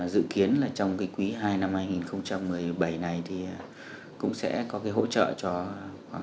dự kiến trong quý hai năm hai nghìn một mươi bảy này cũng sẽ có hỗ trợ cho hai hợp tác xã xây dựng cửa hàng giới thiệu sản phẩm